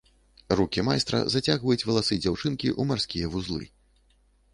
Рукі майстра зацягваюць валасы дзяўчынкі ў марскія вузлы.